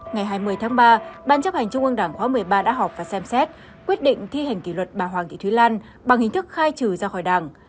ngày hai mươi tháng ba ban chấp hành trung ương đảng khóa một mươi ba đã họp và xem xét quyết định thi hành kỷ luật bà hoàng thị thúy lan bằng hình thức khai trừ ra khỏi đảng